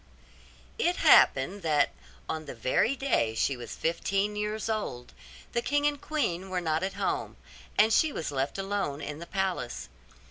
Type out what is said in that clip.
It happened that, on the very day she was fifteen years old, the king and queen were not at home, and she was left alone in the palace.